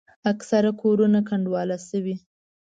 اکثره کورونه کنډواله شوي.